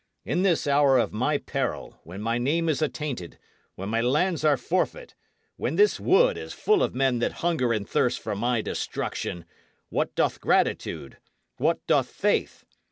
In this hour of my peril, when my name is attainted, when my lands are forfeit, when this wood is full of men that hunger and thirst for my destruction, what doth gratitude? what doth faith?